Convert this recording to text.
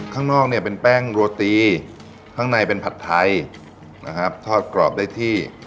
ข้างนอกเนี่ยเป็นแป้งโรตีข้างในเป็นผัดไทยนะครับทอดกรอบได้ที่